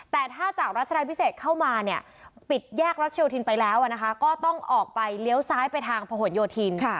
แต่ถ้าจากรัชดาพิเศษเข้ามาเนี่ยปิดแยกรัชโยธินไปแล้วก็ต้องออกไปเลี้ยวซ้ายไปทางผนโยธิน